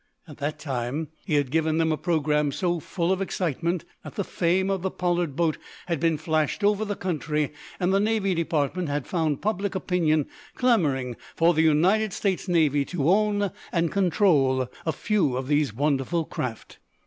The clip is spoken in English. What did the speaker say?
At that time he had given them a programme so full of excitement that the fame of the Pollard boat had been flashed over the country, and the Navy Department had found public opinion clamoring for the United States Navy to own and control a few of these wonderful craft.